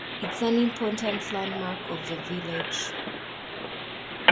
It is an important landmark of the village.